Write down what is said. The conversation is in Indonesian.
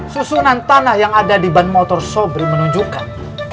susunan tanah yang ada di ban motor sobri menunjukkan